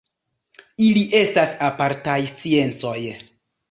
Ili estas apartaj sciencoj.